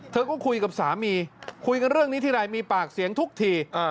เธอก็คุยกับสามีคุยกันเรื่องนี้ทีไรมีปากเสียงทุกที